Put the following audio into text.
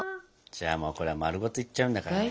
じゃあもうこれは丸ごといっちゃうんだからね。